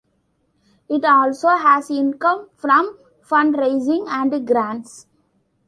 It also has income from fundraising and grants.